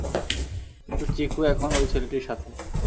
কিন্তু চিকু এখন ওই ছেলেটির সাথে।